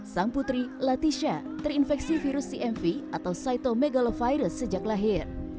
sang putri latisha terinfeksi virus cmv atau cytomegalovirus sejak lahir